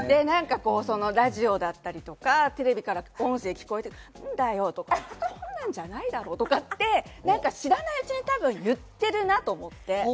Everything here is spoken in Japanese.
ラジオだったりとかテレビから音声聞こえて、なんだよとか、そんなんじゃないだろとかって知らないうちに多分言ってるなと思って。